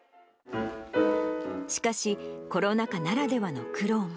しかし、コロナ禍ならではの苦労も。